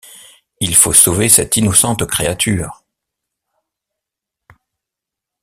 Il faut sauver cette innocente créature...